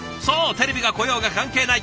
テレビが来ようが関係ない。